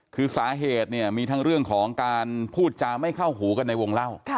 คือสาเหตุเนี่ยมีทั้งเรื่องของการพูดจาไม่เข้าหูกันในวงเล่า